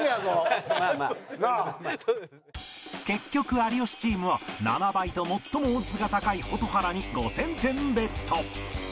結局有吉チームは７倍と最もオッズが高い蛍原に５０００点ベット